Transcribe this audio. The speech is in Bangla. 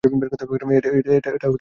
এটা ধার করা।